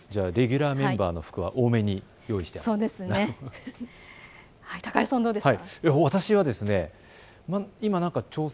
レギュラーメンバーの服は多めに用意しているんですか？